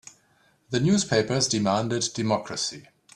The newspapers demanded democracy.